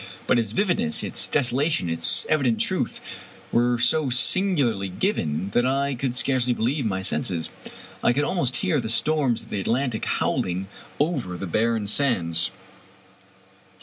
But its vividness, its desolation, its evident truth, were so singularly given that I could scarcely believe my senses. I could almost hear the storms of the Atlantic howling over the barren sands.